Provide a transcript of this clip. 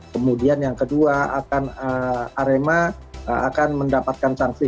kemudian yang kedua akan arema akan mendapatkan sanksi